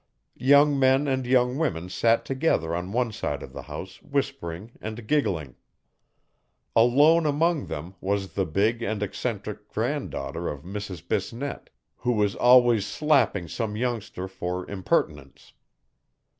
Young men and young women sat together on one side of the house whispering and giggling. Alone among them was the big and eccentric granddaughter of Mrs Bisnette, who was always slapping some youngster for impertinence.